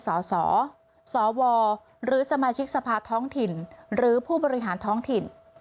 สสวหรือสมาชิกสภาท้องถิ่นหรือผู้บริหารท้องถิ่น